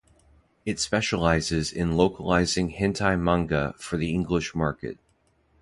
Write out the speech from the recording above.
It specializes in localizing hentai manga for the English market.